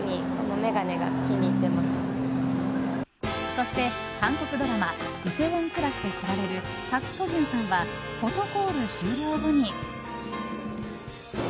そして韓国ドラマ「梨泰院クラス」で知られるパク・ソジュンさんはフォトコール終了後に。